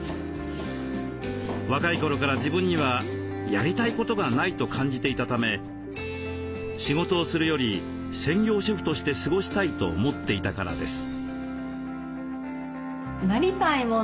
若い頃から自分には「やりたいことがない」と感じていたため仕事をするより専業主婦として過ごしたいと思っていたからです。